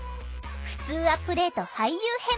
「ふつうアップデート俳優編」。